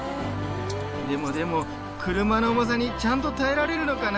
でもでも車の重さにちゃんと耐えられるのかな？